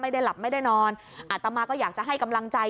ไม่ได้หลับไม่ได้นอนอาตมาก็อยากจะให้กำลังใจ